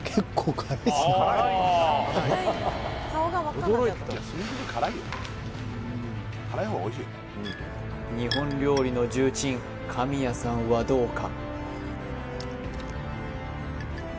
これ辛っ日本料理の重鎮神谷さんはどうか？